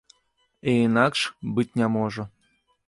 І інакш быць не можа.